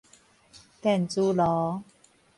電磁爐